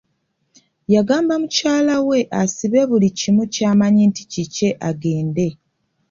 Yagamba mukyala we asibe buli kimu ky'amanyi nti kikye agende.